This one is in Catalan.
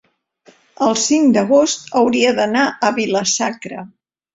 el cinc d'agost hauria d'anar a Vila-sacra.